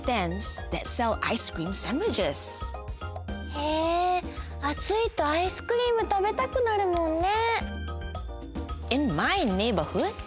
へえあついとアイスクリームたべたくなるもんね。